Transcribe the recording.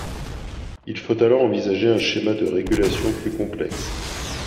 Il faut alors envisager un schéma de régulation plus complexe.